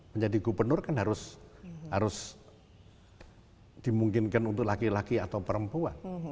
menjadi gubernur kan harus dimungkinkan untuk laki laki atau perempuan